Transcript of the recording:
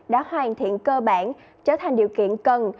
đã hoàn thiện cơ bản trở thành điều kiện cần